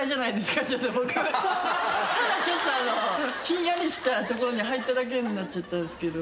ただひんやりしたところに入っただけになっちゃった。